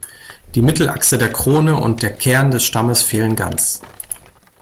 Die Mittelachse der Krone und der Kern des Stammes fehlen ganz.